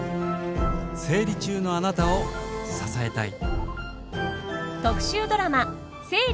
「生理中のあなたを支えたい」。